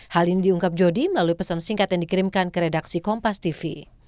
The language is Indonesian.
hal ini diungkap jody melalui pesan singkat yang dikirimkan ke redaksi kompas tv